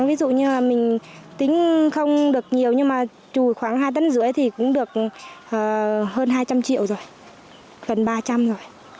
ví dụ như là mình tính không được nhiều nhưng mà trùi khoảng hai tấn rưỡi thì cũng được hơn hai trăm linh triệu rồi gần ba trăm linh rồi